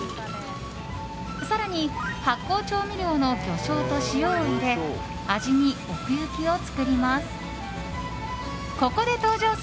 更に発酵調味料の魚醤と塩を入れ味に奥行きを作ります。